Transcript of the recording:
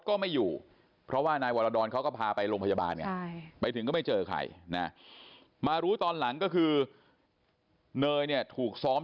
ก็ไม่อยู่เพราะว่านายวรดรเขาก็พาไปโรงพยาบาลไงไปถึงก็ไม่เจอใครนะมารู้ตอนหลังก็คือเนยเนี่ยถูกซ้อม